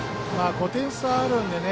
５点差あるんでね